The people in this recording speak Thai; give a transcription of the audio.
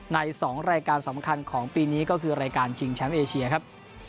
ใน๒รายการสำคัญของปีนี้ก็คือรายการชิงแชมป์เอเชียครับ